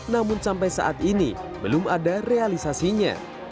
namun sampai saat ini belum ada realisasinya